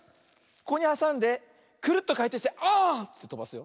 ここにはさんでクルッとかいてんしてあってとばすよ。